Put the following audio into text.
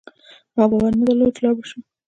ما باور نه درلود چي لاړ به شو